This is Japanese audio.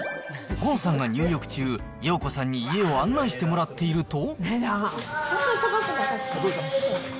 崑さんが入浴中、瑤子さんに家を案内してもらっていると。